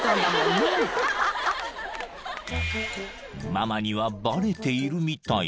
［ママにはバレているみたい］